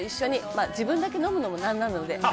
「まあ自分だけ飲むのもなんなので」